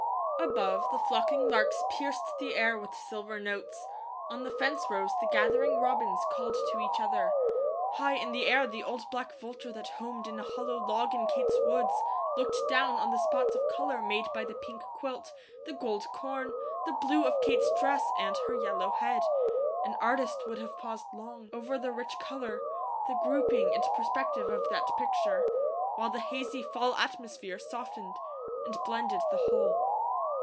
Above, the flocking larks pierced the air with silver notes, on the fence rows the gathering robins called to each other; high in the air the old black vulture that homed in a hollow log in Kate's woods, looked down on the spots of colour made by the pink quilt, the gold corn, the blue of Kate's dress, and her yellow head. An artist would have paused long, over the rich colour, the grouping and perspective of that picture, while the hazy fall atmosphere softened and blended the whole.